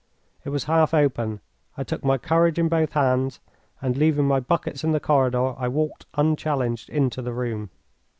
It was half open. I took my courage in both hands and, leaving my buckets in the corridor, I walked unchallenged into the room.